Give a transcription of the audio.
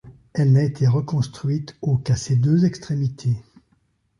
Elle n’a été reconstruite au qu’à ses deux extrémités.